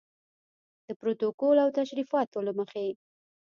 د پروتوکول او تشریفاتو له مخې.